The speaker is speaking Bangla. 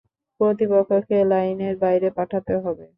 প্রতিপক্ষকে লাইনের বাইরে পাঠাতে হবে।